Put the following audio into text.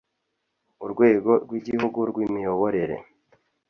urwego rw'igihugu rw'imiyoborere